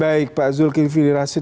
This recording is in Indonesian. baik pak zulkifli rasid